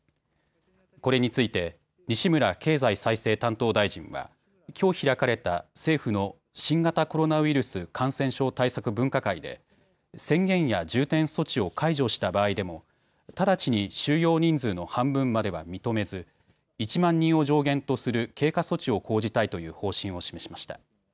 これについて西村経済再生担当大臣はきょう開かれた政府の新型コロナウイルス感染症対策分科会で宣言や重点措置を解除した場合でも直ちに収容人数の半分までは認めず１万人を上限とする経過措置を講じたいという方針を示しました。